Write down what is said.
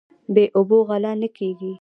بې اوبو غله نه کیږي.